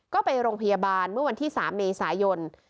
ก็ไปโรงพยาบาลเมื่อวันที่๓เมษายน